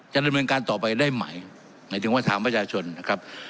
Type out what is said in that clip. จะได้มีการต่อไปได้ไหมถึงว่าถามประชาชนนะครับ